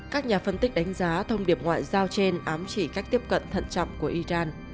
các nhà phân tích đánh giá thông điệp ngoại giao trên ám chỉ cách tiếp cận thận trọng của iran